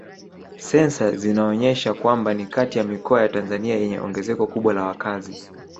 Sensa zinaonyesha kwamba ni kati ya mikoa ya Tanzania yenye ongezeko kubwa la wakazi